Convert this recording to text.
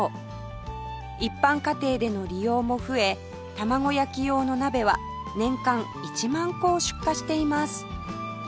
一般家庭での利用も増え玉子焼用の鍋は年間１万個を出荷しています